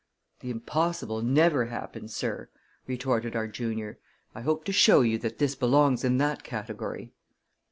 "The impossible never happens, sir!" retorted our junior. "I hope to show you that this belongs in that category."